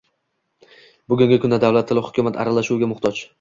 Bugungi kunda davlat tili hukumat aralashuviga muhtoj